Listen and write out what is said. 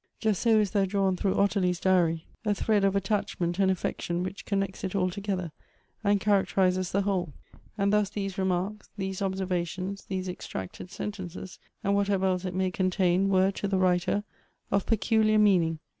Just so is there drawn through Ottilie's diary, a thread 164 G O B T H E ' S of* attachment and affection which connects it all together, and characterizes the whole. And thus these remarks, these observations, these extracted sentences, and what ever else it may contain, were, to the writer, of peculiar meaning.